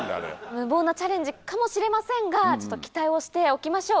無謀なチャレンジかもしれませんがちょっと期待をしておきましょう。